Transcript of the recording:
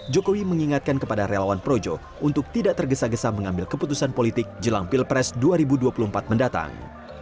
jokowi mengingatkan kepada relawan projo untuk tidak tergesa gesa mengambil keputusan politik jelang pilpres dua ribu dua puluh empat mendatang